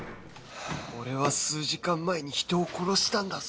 俺は数時間前に人を殺したんだぞ